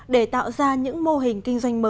để tạo ra những mô hình kinh doanh mới